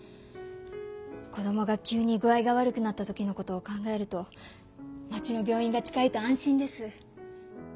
こどもが急に具合が悪くなったときのことを考えると町の病院が近いと安心です。